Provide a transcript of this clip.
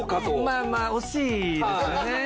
まぁまぁ惜しいですよね。